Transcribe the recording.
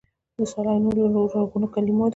د سالنګ نوم له لرغونو کلمو دی